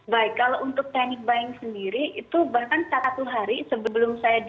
baik kalau untuk teknik buying sendiri itu bahkan satu hari sebelum saya di